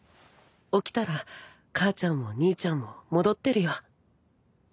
起きたら母ちゃんも兄ちゃんも戻ってるよ。